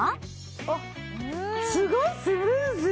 あっすごいスムーズ！